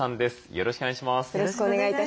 よろしくお願いします。